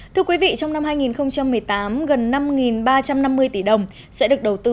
thưa quý vị trong năm hai nghìn một mươi tám gần năm ba trăm năm mươi tỷ đồng sẽ được đầu tư